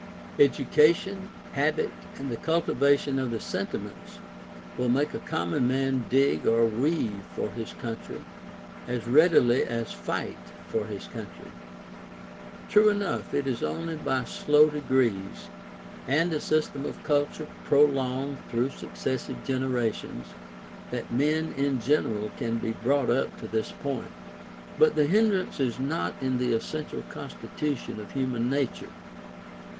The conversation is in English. Education, habit, and the cultivation of the sentiments, will make a common man dig or weave for his country, as readily as fight for his country. True enough, it is only by slow degrees, and a system of culture prolonged through successive generations, that men in general can be brought up to this point. But the hindrance is not in the essential constitution of human nature.